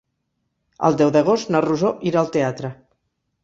El deu d'agost na Rosó irà al teatre.